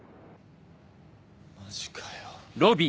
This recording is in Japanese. マジかよ。